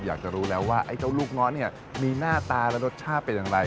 อยากจะรู้แล้วว่าไอ้เจ้าลูกง้อเนี่ยมีหน้าตาและรสชาติเป็นอย่างไร